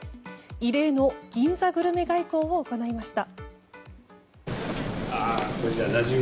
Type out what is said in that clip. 異例の銀座グルメ外交を行いました。